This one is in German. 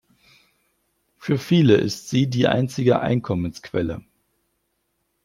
Für viele ist sie die einzige Einkommensquelle.